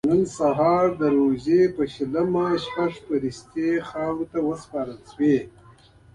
نن سهار د روژې په شلمه شپږ فرښتې خاورو ته وسپارل شوې.